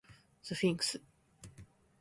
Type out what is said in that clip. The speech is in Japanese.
スフィンクス